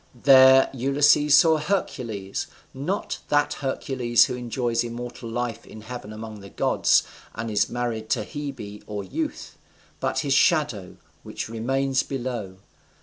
There Ulysses saw Hercules not that Hercules who enjoys immortal life in heaven among the gods, and is married to Hebe or Youth; but his shadow, which remains below.